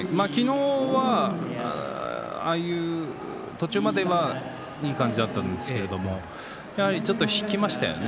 昨日は途中まではいい感じだったんですけどやはり引きましたよね。